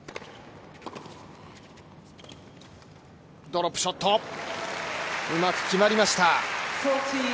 ドロップショット、うまく決まりました。